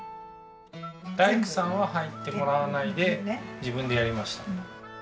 大工さんは入ってもらわないで自分でやりました。